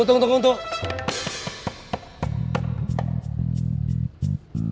tunggu tunggu tunggu